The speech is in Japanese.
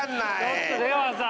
ちょっと出川さん！